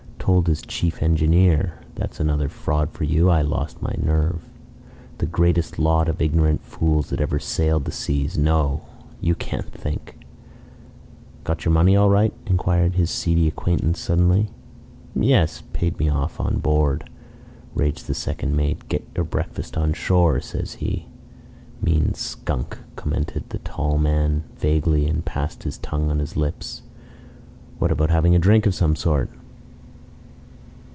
Told his chief engineer that's another fraud for you I had lost my nerve. The greatest lot of ignorant fools that ever sailed the seas. No! You can't think ..." "Got your money all right?" inquired his seedy acquaintance suddenly. "Yes. Paid me off on board," raged the second mate. "'Get your breakfast on shore,' says he." "Mean skunk!" commented the tall man, vaguely, and passed his tongue on his lips. "What about having a drink of some sort?"